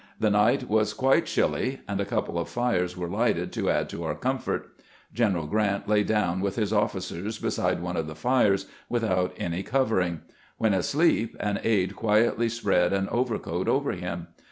The night was quite chilly, and a couple of fires were lighted to add to our comfort. Greneral Glrant lay down with his officers beside one of the fires, without any covering ; when asleep, an aide quietly spread an over coat over him.